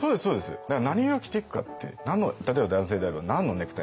だから何色を着ていくかって例えば男性であれば何のネクタイなのか。